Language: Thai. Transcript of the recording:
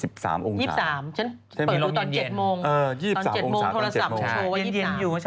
ฉันเปิดลมเย็นตอน๗องศาเซียสโทรศัพท์โชว์ว่า๒๓องศาเซียสอ่ะ